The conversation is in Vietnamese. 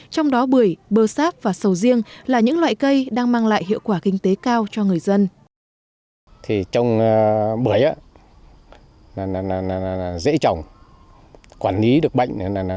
trong đó bưởi bơ sáp và sầu riêng là những loại cây đang mang lại hiệu quả kinh tế cao cho người dân